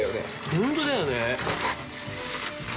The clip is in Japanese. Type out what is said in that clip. ◆本当だよね。